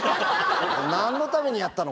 何のためにやったの？